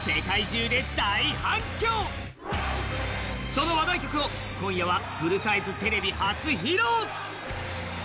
その話題曲を、今夜はフルサイズテレビ初披露。